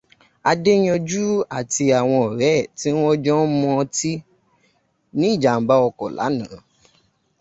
Adéyanjú àti àwọn ọ̀rẹ́ ẹ̀ tí wọ́n jọ ń mọtí ní ìjàm̀bá ọkọ̀ lánàá.